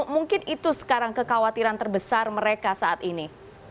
mungkin itu sekarang kekhawatiran terbesar mereka saat ini